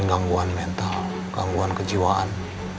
gangguan mental gangguan kejiwaan